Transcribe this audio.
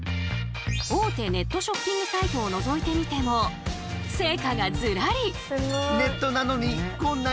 大手ネットショッピングサイトをのぞいてみてもそう！